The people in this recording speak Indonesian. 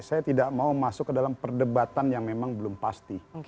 saya tidak mau masuk ke dalam perdebatan yang memang belum pasti